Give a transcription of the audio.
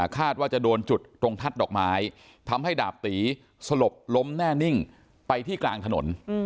คาดว่าจะโดนจุดตรงทัดดอกไม้ทำให้ดาบตีสลบล้มแน่นิ่งไปที่กลางถนน